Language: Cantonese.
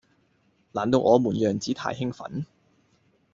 難道我們樣子太興奮